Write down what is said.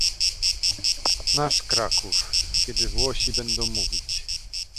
"nasz Kraków", kiedy Włosi będą mówić